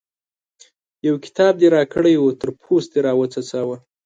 يو کتاب دې راکړی وو؛ تر پوست دې راوڅڅاوو.